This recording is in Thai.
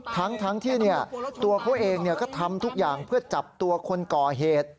ทั้งทั้งที่เนี่ยตัวพ่อเองเนี่ยก็ทำทุกอย่างเพื่อจับตัวคนก่อเหตุ